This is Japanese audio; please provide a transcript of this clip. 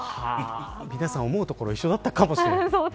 皆さん、思うところ一緒だったかもしれない。